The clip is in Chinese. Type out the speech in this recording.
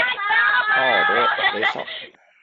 奥德雷桑。